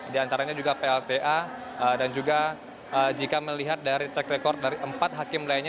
di antaranya juga plta dan juga jika melihat dari track record dari empat hakim lainnya